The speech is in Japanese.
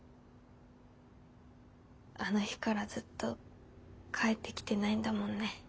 あの日からずっと帰ってきてないんだもんね